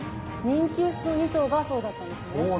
人気薄の２頭がそうだったんですね。